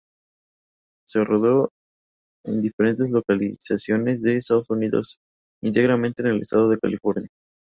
Se rodó en diferentes localizaciones de Estados Unidos, íntegramente en el estado de California.